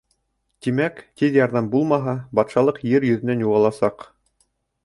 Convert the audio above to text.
Тимәк, тиҙ ярҙам булмаһа, батшалыҡ ер йөҙөнән юғаласаҡ.